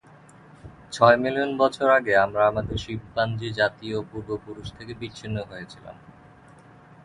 ছয় মিলিয়ন বছর আগে আমরা আমাদের শিম্পাঞ্জি জাতীয় পূর্বপুরুষ থেকে বিচ্ছিন্ন হয়েছিলাম।